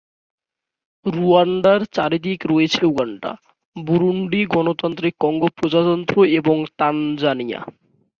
রুয়ান্ডার চারিদিকে রয়েছে Uganda, Burundi, গণতান্ত্রিক কঙ্গো প্রজাতন্ত্র, এবং তানজানিয়া।